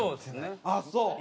ああそう。